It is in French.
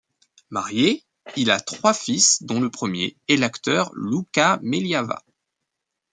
Marié, il a trois fils dont le premier est l'acteur Louka Meliava.